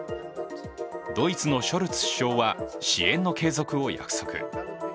ドイツのショルツ首相は支援の継続を約束。